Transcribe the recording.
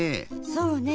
そうねえ。